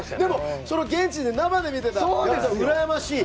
現地で生で見れたのがうらやましい。